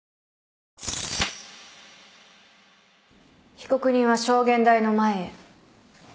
被告人は証言台の前へ。